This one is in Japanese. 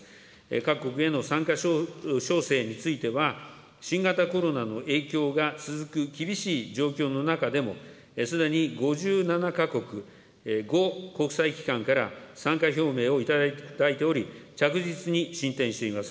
各国への参加招請については、新型コロナの影響が続く厳しい状況の中でも、すでに５７か国５国際機関から参加表明を頂いており、着実に進展しています。